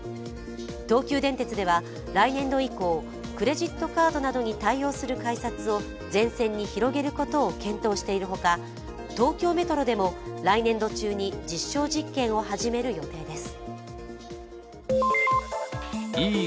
東急電鉄では、来年度以降、クレジットカードなどに対応する改札を全線に広げることを検討しているほか、東京メトロでも来年度中に実証実験を始める予定です。